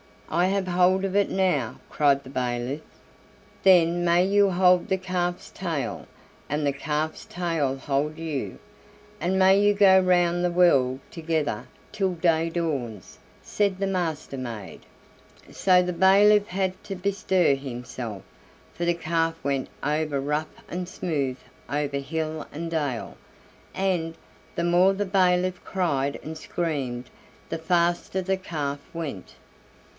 "I have hold of it now," cried the bailiff. "Then may you hold the calf's tail, and the calf's tail hold you, and may you go round the world together till day dawns!" said the Master maid. So the bailiff had to bestir himself, for the calf went over rough and smooth, over hill and dale, and, the more the bailiff cried and screamed, the faster the calf went.